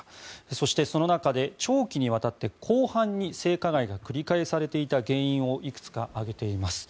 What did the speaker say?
そして、その中で長期にわたって広範に性加害が繰り返されていた原因をいくつか挙げています。